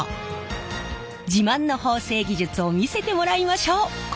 自慢の縫製技術を見せてもらいましょう。